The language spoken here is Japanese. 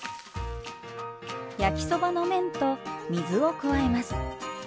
焼きそばの麺と水を加えます。